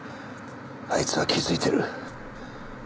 あいつは気づいてる。